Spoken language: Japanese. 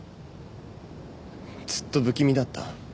ずっと不気味だった。